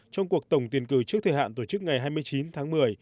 trong cuộc tổng tuyển cử trước thời hạn tổ chức ngày hai mươi chín tháng một mươi